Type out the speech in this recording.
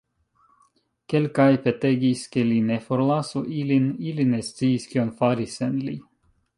Kelkaj petegis, ke li ne forlasu ilin; ili ne sciis, kion fari sen li.